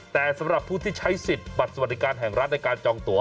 แต่สำหรับผู้ที่ใช้สิทธิ์บัตรสวัสดิการแห่งรัฐในการจองตัว